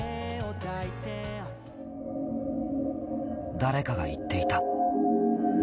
誰かが言っていた。